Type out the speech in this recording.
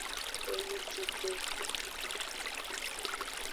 Enucukpe.